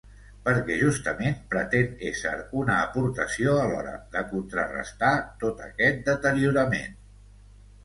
Perquè justament pretén ésser una aportació a l’hora de contrarestar tot aquest deteriorament.